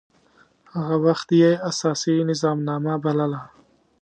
هغه وخت يي اساسي نظامنامه بلله.